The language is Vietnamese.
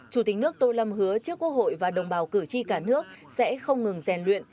chủ tịch nước tô lâm hứa trước quốc hội và đồng bào cử tri cả nước sẽ không ngừng rèn luyện